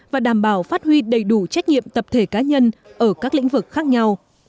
và đảm bảo phát huy đầy đủ trách nhiệm tập thể cá nhân ở các lĩnh vực khác nhau